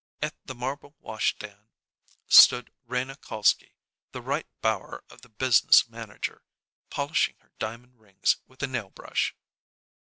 At the marble wash stand stood Rena Kalski, the right bower of the business manager, polishing her diamond rings with a nail brush.